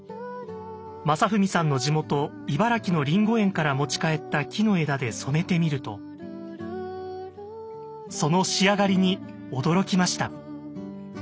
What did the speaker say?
将史さんの地元茨城のリンゴ園から持ち帰った木の枝で染めてみるとその仕上がりに驚きました。